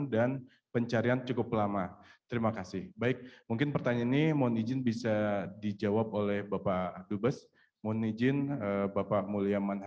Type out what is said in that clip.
dan kami berkomunikasi dengan old strategies